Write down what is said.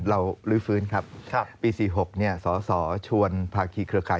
เรารุยฟื้นครับปี๔๖เนี่ยสอสอชวนภารกิจเครือข่าย